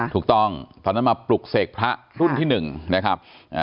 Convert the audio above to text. ถูกต้องตอนนั้นมาปลุกเสกพระรุ่นที่๑นะครับ